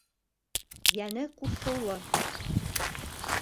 Йәне ҡурсыулы.